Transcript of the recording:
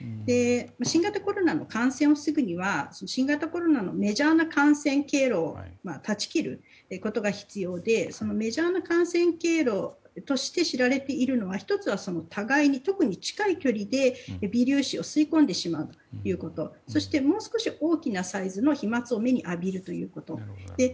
新型コロナに感染をするには新型コロナのメジャーな感染経路を断ち切ることが必要でそのメジャーな感染経路として知られているのが１つは互いに特に近い距離で微粒子を吸い込んでしまうということそして、もう少し大きなサイズの飛沫を目に浴びるということ。